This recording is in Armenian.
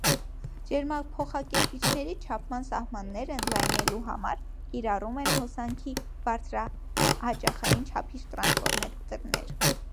Ջերմափոխտկերպիչների չափման սահմանները ընդլայնելու համար կիրառում են հոսանքի բարձրհաճախային չափիչ տրանսֆորմատորներ։